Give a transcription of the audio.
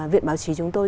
viện báo chí chúng tôi